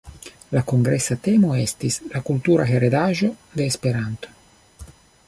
La kongresa temo estis: la kultura heredaĵo de Esperanto.